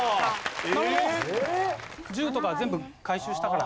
銃とか全部回収したから。